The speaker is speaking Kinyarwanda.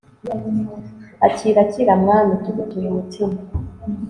akira, akira, mwami), tugutuye umutima